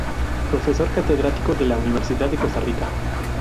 Profesor catedrático de la Universidad de Costa Rica.